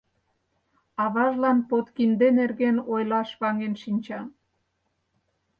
Аважлан подкинде нерген ойлаш ваҥен шинча.